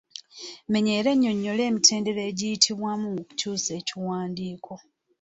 Menya era onnyonnyole emitendera egiyitibwamu mu kukyusa ekiwandiiko.